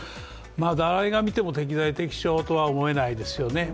誰が見ても適材適所とは思えないでしょうね。